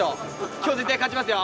今日絶対勝ちますよ。